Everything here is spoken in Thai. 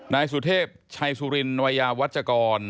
นายสุเทพชัยสุรินวัยยาวัชกร